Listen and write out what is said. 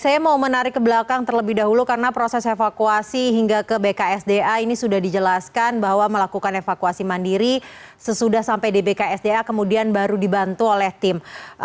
saya mau menarik ke belakang terlebih dahulu karena proses evakuasi hingga ke bksda ini sudah dijelaskan bahwa melakukan evakuasi mandiri sesudah sampai di bksda kemudian baru dibantu oleh tim